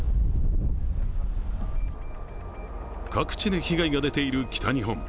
各地で被害が出ている北日本。